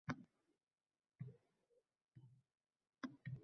Mehnat faoliyati sustlashib borishi mumkin